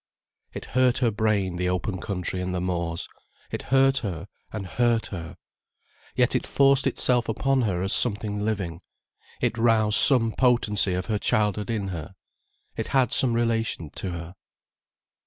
It hurt her brain, the open country and the moors. It hurt her and hurt her. Yet it forced itself upon her as something living, it roused some potency of her childhood in her, it had some relation to her.